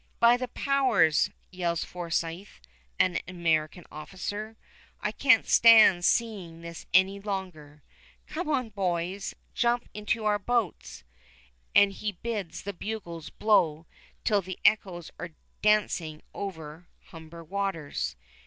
"By the powers!" yells Forsyth, an American officer, "I can't stand seeing this any longer. Come on, boys! jump into our boats!" and he bids the bugles blow till the echoes are dancing over Humber waters.